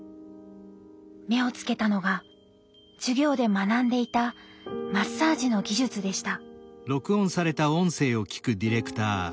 目をつけたのが授業で学んでいたマッサージの技術でした。